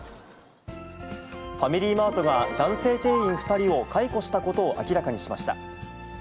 ファミリーマートが男性店員２人を解雇したことを明らかにしました。